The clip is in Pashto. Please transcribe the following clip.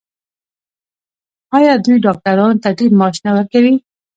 آیا دوی ډاکټرانو ته ډیر معاش نه ورکوي؟